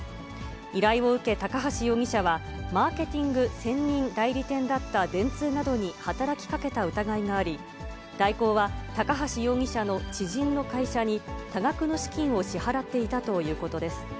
依頼を受け、高橋容疑者は、マーケティング専任代理店だった電通などに働きかけた疑いがあり、大広は高橋容疑者の知人の会社に、多額の資金を支払っていたということです。